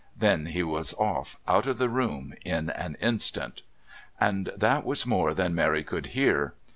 Then he was off out of the room in an instant. And that was more than Mary could hear.